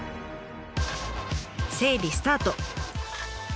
整備スタート！